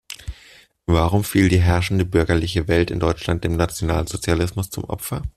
Warum fiel die herrschende bürgerliche Welt in Deutschland dem Nationalsozialismus zum Opfer?